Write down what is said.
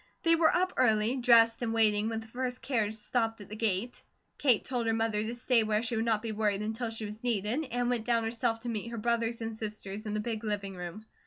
They were up early, dressed, and waiting when the first carriage stopped at the gate. Kate told her mother to stay where she would not be worried until she was needed, and went down herself to meet her brothers and sisters in the big living room.